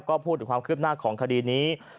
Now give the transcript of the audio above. ก็พูดถึงความคืบหน้าของคดีนี้